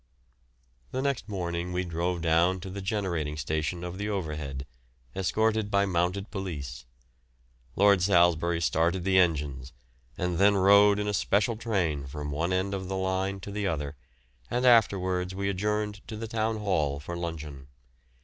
The next morning we drove down to the generating station of the Overhead, escorted by mounted police. Lord Salisbury started the engines and then rode in a special train from one end of the line to the other, and afterwards we adjourned to the Town Hall for luncheon.